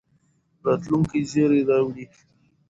راتلونکي زېری راوړي.